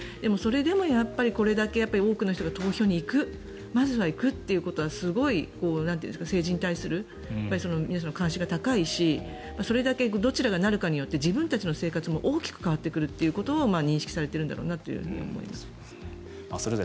それでもやっぱりこれだけ多くの人が投票に行くまずは行くことはすごい政治に対する皆さんの関心が高いしそれだけどちらがなるかによって自分たちの生活も大きく変わってくるということを認識されているんだろうなと思います。